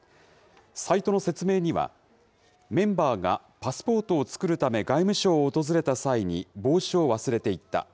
サイトの説明には、メンバーがパスポートを作るため、外務省を訪れた際に帽子を忘れていった。